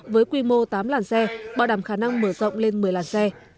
với quy mô tám làn xe bảo đảm khả năng mở rộng lên một mươi làn xe